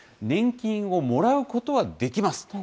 年金をもらうことはできます。